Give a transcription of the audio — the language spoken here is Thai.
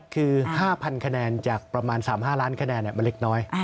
คือ๕๐๐คะแนนจากประมาณ๓๕ล้านคะแนนมันเล็กน้อย